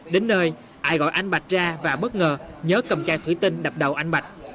đến nơi ai gọi anh bạch ra và bất ngờ nhớ cầm chai thủy tinh đập đầu anh bạch